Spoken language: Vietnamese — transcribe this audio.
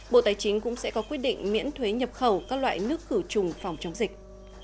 bộ tài chính cũng sẽ có quyết định miễn thuế nhập khẩu các loại nước khử trùng phòng chống dịch